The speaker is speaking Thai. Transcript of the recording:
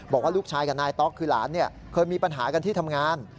บอกว่าลูกชายกับนายต๊อกคือหลานเคยมีปัญหากันที่ทำงาน